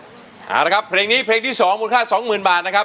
เอาละครับเพลงนี้เพลงที่สองมูลค่าสองหมื่นบาทนะครับ